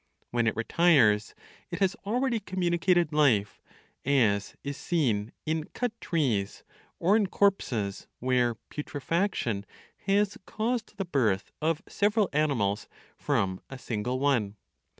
When it retires, it has already communicated life, as is seen in cut trees, or in corpses where putrefaction has caused the birth of several animals from a single one.